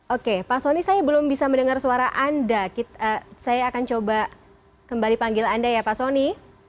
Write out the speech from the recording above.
oke pak soni saya belum bisa mendengar suara anda saya akan coba kembali panggil anda ya pak soni